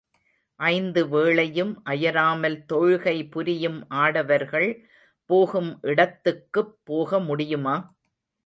ஐந்து வேளையும் அயராமல் தொழுகை புரியும் ஆடவர்கள் போகும் இடத்துக்குப் போக முடியுமா?